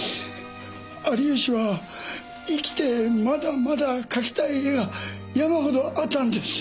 有吉は生きてまだまだ描きたい絵が山ほどあったんです。